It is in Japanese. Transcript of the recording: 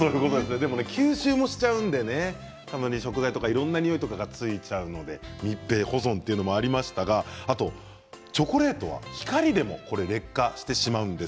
でも吸収もしちゃうので食材とかいろんなにおいがついちゃうので密閉保存というのもありましたがあとチョコレートは光でも劣化してしまうんです。